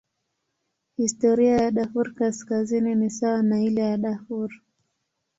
Historia ya Darfur Kaskazini ni sawa na ile ya Darfur.